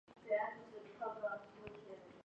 本列表列出了火星上的所有链坑。